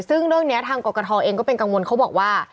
ซึ่งเรื่องนี้ทางกรกฐเองก็เป็นกังวลเขาบอกว่า